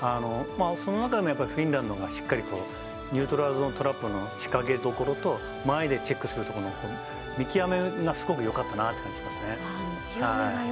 その辺りはフィンランドがしっかりニュートラルゾーントラップの仕掛けどころと前でチェックするところの見極めがすごくよかったですね。